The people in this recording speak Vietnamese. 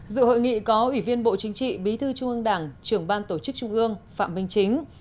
dự hội nghị có ủy viên bộ chính trị bí thư trung ương đảng trưởng ban tổ chức trung ương phạm minh chính